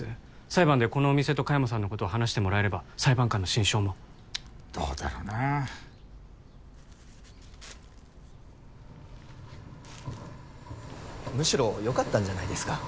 裁判でこのお店と香山さんのことを話してもらえれば裁判官の心証もどうだろうなむしろよかったんじゃないですか？